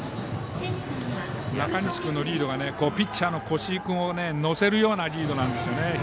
中西君のリードがピッチャーの越井君を乗せるようなリードなんですよね。